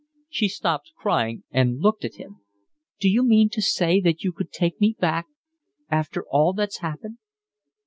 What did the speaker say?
She stopped crying and looked at him. "D'you mean to say that you could take me back after all that's happened?"